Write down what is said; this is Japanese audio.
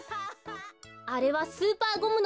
あれはスーパーゴムのきですね。